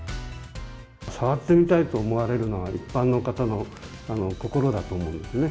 触ってみたいと思われるのは、一般の方の心だと思うんですね。